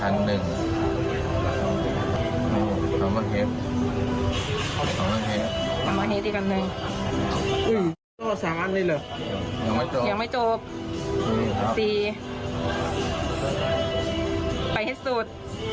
หรือสามอันนี้หรือยังไม่จบไปให้สุด